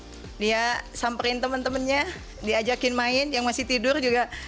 di sofa lagi dan nanti setelah jam enam dia samperin temen temennya diajakin main yang masih tidur juga